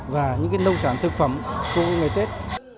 và những nông sản thực phẩm cho ngày tết